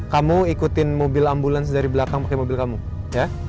kamu ikutin mobil ambulans dari belakang pakai mobil kamu ya